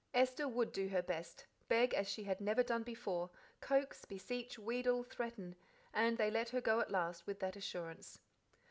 Esther would do her best, beg as she had never done before, coax, beseech, wheedle, threaten; and they let her go at last with that assurance.